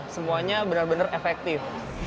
semuanya benar benar efektif